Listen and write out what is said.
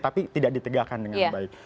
tapi tidak ditegakkan dengan baik